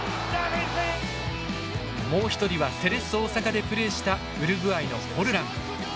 もう一人はセレッソ大阪でプレーしたウルグアイのフォルラン。